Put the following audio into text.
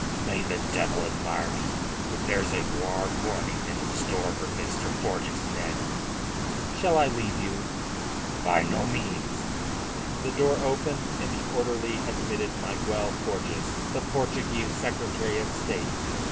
"May the devil admire me, but there's a warm morning in store for Mr. Forjas, Ned." "Shall I leave you?" "By no means." The door opened, and the orderly admitted Miguel Forjas, the Portuguese Secretary of State.